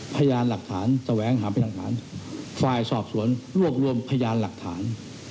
พยานหลักฐานแสวงหาพยานหลักฐานฝ่ายสอบสวนรวบรวมพยานหลักฐาน